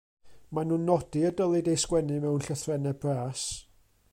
Maen nhw'n nodi y dylid ei sgwennu mewn llythrennau bras.